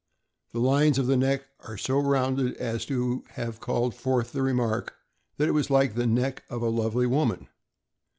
The lines of the neck are so rounded as to have called forth the remark that it was like the neck of a lovely woman.